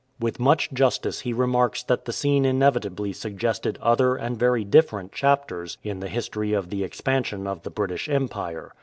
With much justice he remarks that the scene inevitably suggested other and very different chapters in the history of the expansion of the British Empire.